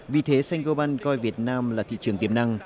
vì thế sengoban coi việt nam là thị trường tiềm năng